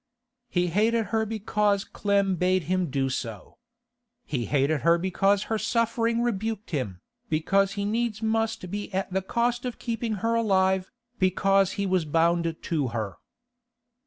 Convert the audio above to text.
He hated her because Clem bade him do so. He hated her because her suffering rebuked him, because he must needs be at the cost of keeping her alive, because he was bound to her.